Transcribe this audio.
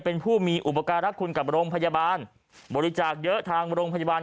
เป็นผู้มีอุปการรักคุณกับโรงพยาบาลบริจาคเยอะทางโรงพยาบาล